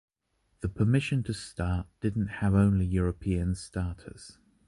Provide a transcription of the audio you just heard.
The permission to start didn't have only European starters.